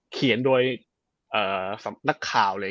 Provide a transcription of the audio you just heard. เขียนโดยนักข่าว